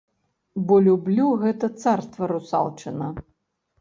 Бо люблю гэта царства русалчына!